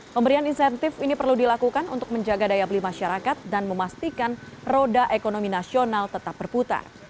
pemberian insentif ini perlu dilakukan untuk menjaga daya beli masyarakat dan memastikan roda ekonomi nasional tetap berputar